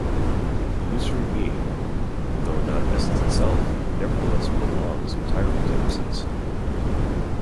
Illusory Being, though not Essence itself, nevertheless "belongs" entirely to Essence.